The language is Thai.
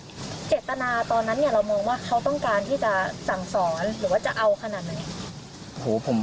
เจตนาตอนนั้นเรามองว่าเขาต้องการที่จะสั่งสอนหรือว่าจะเอาขนาดไหน